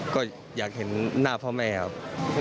ก็อยากเห็นหน้าพ่อแม่ครับ